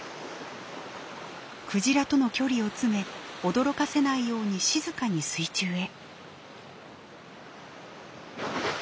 クジラとの距離を詰め驚かせないように静かに水中へ。